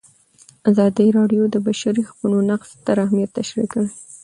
ازادي راډیو د د بشري حقونو نقض ستر اهميت تشریح کړی.